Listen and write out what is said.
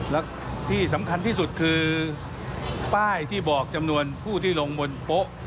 และที่สำคัญที่สุดคือป้ายที่บอกจำนวนผู้ที่ลงบนโป๊ะ